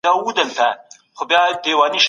ایا له غوړېدو ډک خواړه روغتیا ته زیان رسوي؟